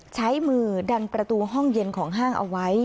ใช้มือดันประตูห้องเย็นของห้างเอาไว้